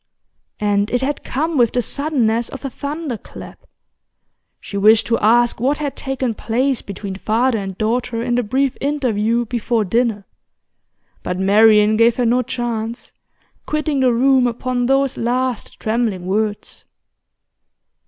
And it had come with the suddenness of a thunderclap. She wished to ask what had taken place between father and daughter in the brief interview before dinner; but Marian gave her no chance, quitting the room upon those last trembling words.